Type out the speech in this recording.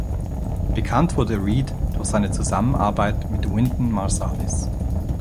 Bekannt wurde Reed durch seine Zusammenarbeit mit Wynton Marsalis.